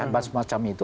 dan semacam itu